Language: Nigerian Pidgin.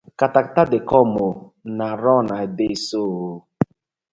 Katakata dey com ooo, na run I dey so ooo.